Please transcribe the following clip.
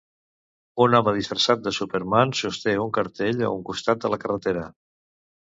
Un home disfressat de Superman sosté un cartell a un costat de la carretera.